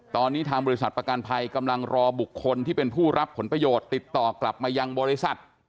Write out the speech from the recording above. ตอนนี้ทางบริษัทประกันภัยกำลังรอบุคคลที่เป็นผู้รับผลประโยชน์ติดต่อกลับมายังบริษัท